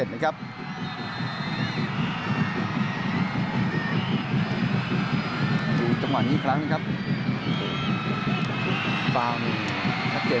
ทุกอาทิตย์จังหวัดอีกครั้งนะครับ